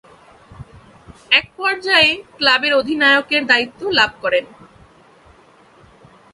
এক পর্যায়ে ক্লাবের অধিনায়কের দায়িত্ব লাভ করেন।